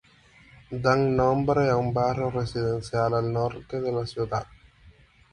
Dan nombre a un barrio residencial al norte de la ciudad.